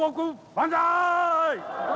万歳！